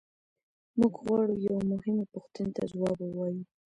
موږ غواړو یوې مهمې پوښتنې ته ځواب ووایو.